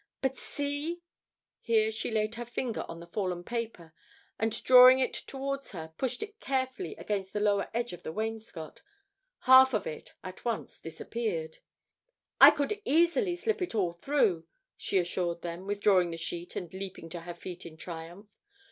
But see!" Here she laid her finger on the fallen paper and drawing it towards her, pushed it carefully against the lower edge of the wainscot. Half of it at once disappeared. "I could easily slip it all through," she assured them, withdrawing the sheet and leaping to her feet in triumph.